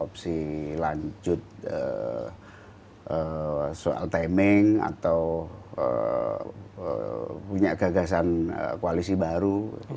opsi lanjut soal timing atau punya gagasan koalisi baru